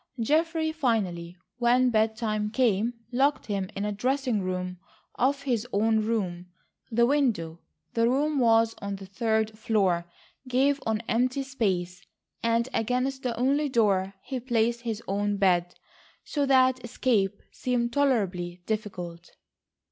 Geoffrey finally, when bed time came, locked him in a dressing room off his own room. The window—the room was on the third floor—gave on empty space, and against the only door he placed his own bed, so that escape seemed tolerably difficult.